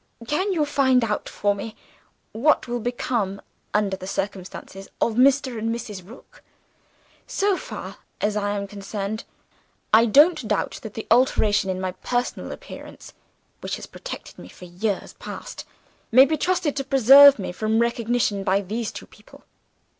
Can you find out for me what will become, under the circumstances, of Mr. and Mrs. Rook? So far as I am concerned, I don't doubt that the alteration in my personal appearance, which has protected me for years past, may be trusted to preserve me from recognition by these two people.